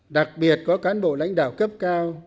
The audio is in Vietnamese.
đặc biệt có cán bộ lãnh đạo cấp cao